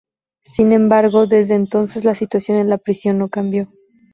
Sin embargo, desde entonces la situación en la prisión no cambió.